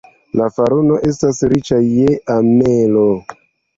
La faruno estas riĉa je amelo.